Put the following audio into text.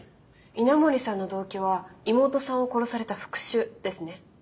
稲森さんの動機は妹さんを殺された復讐ですね。